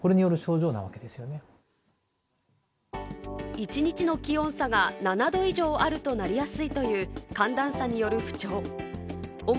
一日の気温差が７度以上あるとなりやすいという寒暖差による不調。